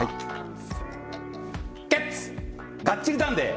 がっちりダンデー！